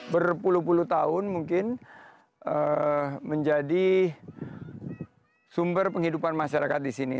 berpuluh puluh tahun mungkin menjadi sumber penghidupan masyarakat di sini